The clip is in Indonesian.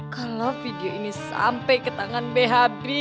kalau video ini sampai ke tangan behabri